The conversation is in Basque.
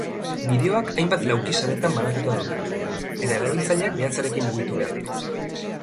Bideoak hainbat lauki-saretan banatuta daude eta erabiltzaileak behatzarekin mugitu behar ditu.